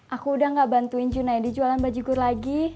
aku udah gak bantuin junai dijualan baju gur lagi